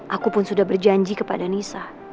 aku pun sudah berjanji kepada nisa